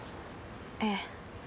ええ。